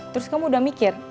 terus kamu udah mikir